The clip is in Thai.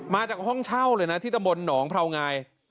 มาจากห้องเช่าเลยนะที่ตำบลหนองพราวงาย